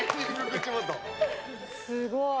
すごい。